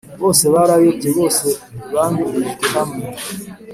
Bose barayobye bose bandurijwe hamwe